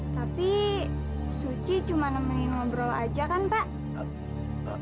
tapi suci cuma nemenin ngobrol aja kan pak